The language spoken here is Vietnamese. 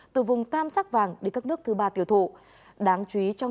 từ vùng tam sắc vàng đến các nước thứ ba tiểu thụ